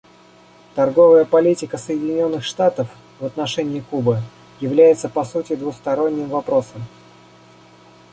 Торговая политика Соединенных Штатов в отношении Кубы является, по сути, двусторонним вопросом.